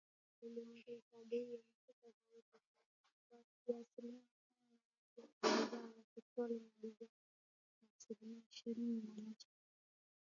Wiki iliyopita, Tanzania iliongeza bei ya mafuta kwa zaidi ya asilimia kumi na moja kwa bidhaa ya petroli na dizeli, na asilimia ishirini na moja